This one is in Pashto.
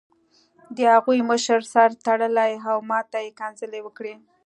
د هغوی مشر سر تړلی و او ماته یې کنځلې وکړې